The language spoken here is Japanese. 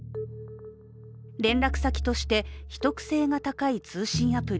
連絡先として、秘匿性が高い通信アプリ